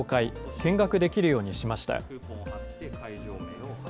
見学できるようにしました。